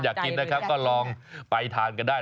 อยากกินนะครับก็ลองไปทานกันได้